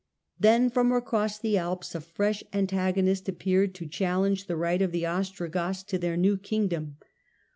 Then, from across the Alps, a fresh antagonist appeared to challenge the right of the Ostrogoths to their new kingdom.